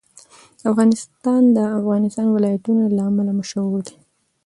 افغانستان د د افغانستان ولايتونه له امله شهرت لري.